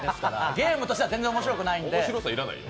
ゲームとしては面白くないので。